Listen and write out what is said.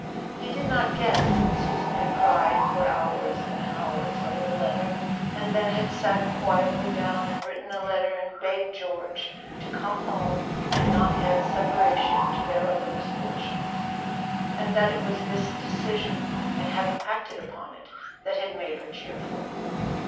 He did not guess that Susan had cried for hours and hours over the letter, and then had sat quietly down and written a letter and begged George to come home and not add separation to their other misfortunes; and that it was this decision, and having acted upon it, that had made her cheerful.